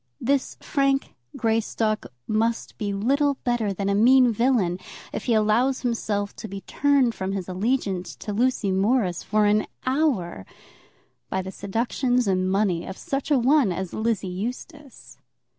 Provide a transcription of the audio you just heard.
This Frank Greystock must be little better than a mean villain, if he allows himself to be turned from his allegiance to Lucy Morris for an hour by the seductions and money of such a one as Lizzie Eustace.